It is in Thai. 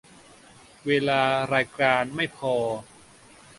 เวลารายการไม่พอ